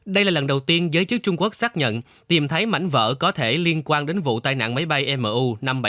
đây là lần đầu tiên giới chức trung quốc xác nhận tìm thấy mảnh vỡ có thể liên quan đến vụ tai nạn máy bay mu năm nghìn bảy trăm ba mươi năm